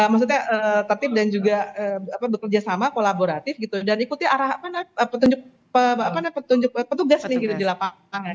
maksudnya tertib dan juga bekerja sama kolaboratif gitu dan ikuti arahan petunjuk petugas nih di lapangan